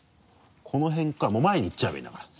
この辺かもう前に行っちゃえばいいんだから。